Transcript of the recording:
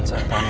tahan tahan ya